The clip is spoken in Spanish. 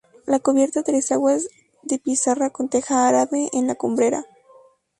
La cubierta a tres aguas es de pizarra, con teja árabe en la cumbrera.